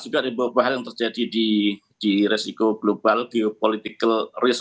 juga ada beberapa hal yang terjadi di resiko global geopolitical risk